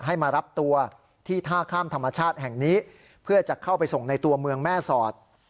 ให้มารับตัวที่ท่าข้ามธรรมชาติแห่งนี้เพื่อจะเข้าไปส่งในตัวเมืองแม่สอด